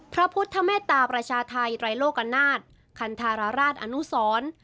พระพุทธเมตตาประชาไทยรายโลกนาทคันทาราชอนูสร